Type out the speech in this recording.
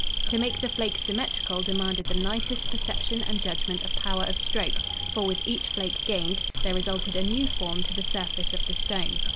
To make the flakes symmetrical demanded the nicest perception and judgment of power of stroke, for, with each flake gained, there resulted a new form to the surface of the stone.